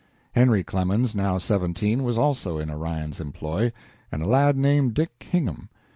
Henry Clemens, now seventeen, was also in Orion's employ, and a lad named Dick Hingham.